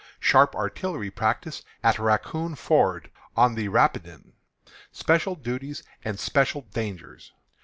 Sharp Artillery Practice at Raccoon Ford, on the Rapidan. Special Duties and Special Dangers.